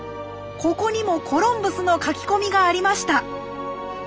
ここにもコロンブスの書き込みがありました！